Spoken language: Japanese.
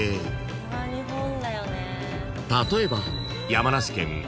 ［例えば］